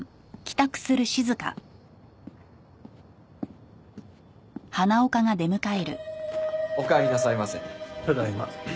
ただいま。